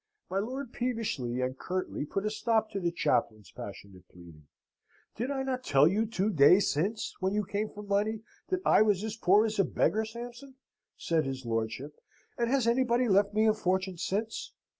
My lord peevishly and curtly put a stop to the chaplain's passionate pleading. "Did I not tell you, two days since, when you came for money, that I was as poor as a beggar, Sampson," said his lordship, "and has anybody left me a fortune since?